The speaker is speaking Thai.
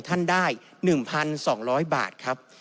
ท่านได้๑๒๐๐บาทครับ